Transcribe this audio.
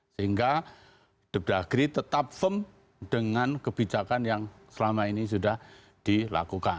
sehingga deg dagri tetap firm dengan kebijakan yang selama ini sudah dilakukan